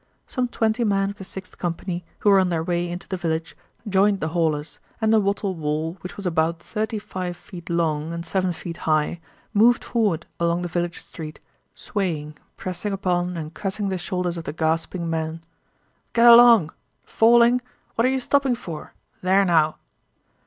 Some twenty men of the Sixth Company who were on their way into the village joined the haulers, and the wattle wall, which was about thirty five feet long and seven feet high, moved forward along the village street, swaying, pressing upon and cutting the shoulders of the gasping men. "Get along... Falling? What are you stopping for? There now...."